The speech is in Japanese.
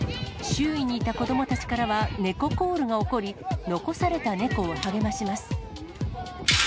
周囲にいた子どもたちからは猫コールが起こり、残された猫を励まします。